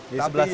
di sebelah sini